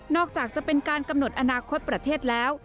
อกจากจะเป็นการกำหนดอนาคตประเทศแล้ว